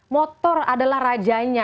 motor adalah rajanya